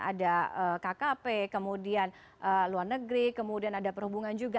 ada kkp kemudian luar negeri kemudian ada perhubungan juga